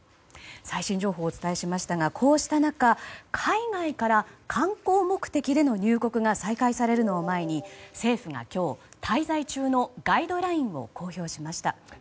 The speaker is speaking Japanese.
最新情報をお伝えしましたがこうした中海外から観光目的での入国が再開されるのを前に政府が今日、滞在中のガイドラインを公表しました。